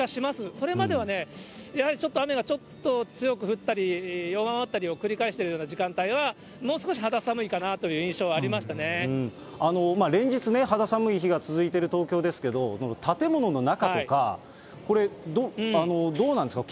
それまではやはりちょっと雨がちょっと強く降ったり、弱まったりを繰り返してるような時間帯は、もう少し肌寒いかなと連日、肌寒い日が続いている東京ですけど、建物の中とか、これ、どうなんですか？